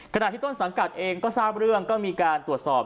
ขณะที่ต้นสังกัดเองก็ทราบเรื่องก็มีการตรวจสอบ